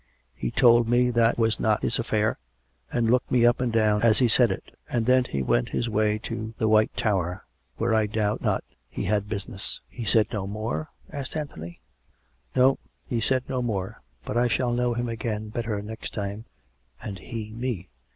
He told me that was not his affair, and looked me up and down as he said it. And then he went his way to ... the White Tower, where I doubt not he had business." " He said no more ?" asked Anthony. " No, he said no more. But I shall know him again better next time, and he me."